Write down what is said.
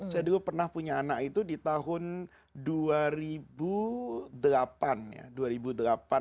saya dulu pernah punya anak itu di tahun dua ribu delapan ya